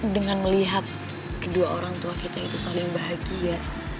dengan melihat kedua orang tua kita itu saling bahagia